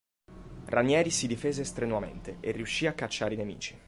Ranieri si difese strenuamente e riuscì a cacciare i nemici.